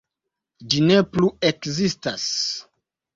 Ĝi ne plu ekzistas.